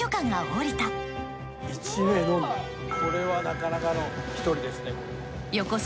これはなかなかの１人ですね。